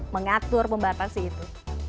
mengatur pembatasi itu